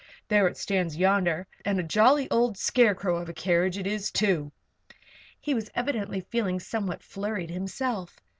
There it stands yonder and a jolly old scarecrow of a carriage it is, too!" He was evidently feeling somewhat flurried himself.